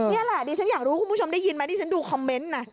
นี่แหละดิฉันอยากรู้คุณผู้ชมได้ยินไหมดิฉันดูคอมเมนต์นะ